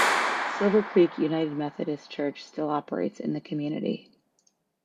Silver Creek United Methodist church still operates in the community.